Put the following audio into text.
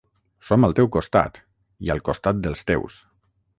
Som al teu costat, i al costat dels teus.